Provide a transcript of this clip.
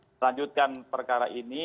melanjutkan perkara ini